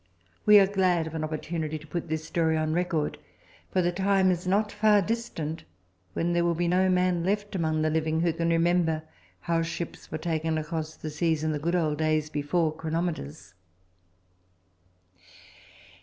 We are glad of an opportunity to put this story on record, for the time is not far distant when there will be no man left among the living who can remember how ships were taken across the seas in the good old days before chronometers.